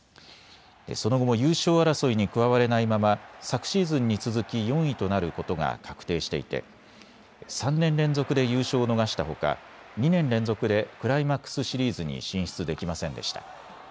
その後も優勝争いに加われないまま昨シーズンに続き４位となることが確定していて３年連続で優勝を逃したほか２年連続でクライマックスシリーズに進出できませんでした。